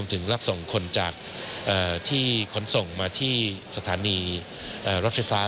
ที่จะส่งมาที่สถานีรถไฟฟ้า